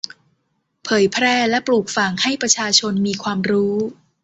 เผยแพร่และปลูกฝังให้ประชาชนมีความรู้